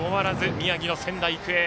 宮城の仙台育英。